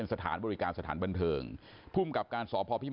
ตอนนี้กำลังจะโดดเนี่ยตอนนี้กำลังจะโดดเนี่ย